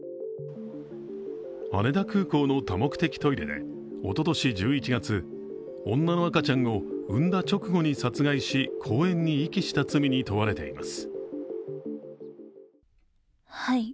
羽田空港の多目的トイレでおととし１１月女の赤ちゃんを産んだ直後に殺害し公園に遺棄した罪に問われています。